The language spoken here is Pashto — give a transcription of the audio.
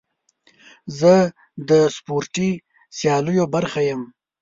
زه د سپورتي سیالیو برخه یم.